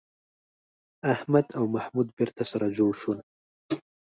احمد او محمود بېرته سره جوړ شول